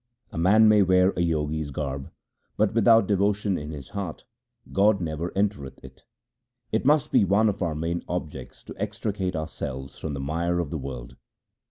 A man may wear a Jogi's garb, but without devotion in his heart God never entereth it. It must be one of our main objects to extricate our selves from the mire of the world.'